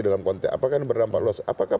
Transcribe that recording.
dalam konteks apakah ini berdampak luas apakah